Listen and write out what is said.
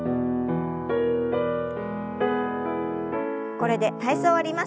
これで体操を終わります。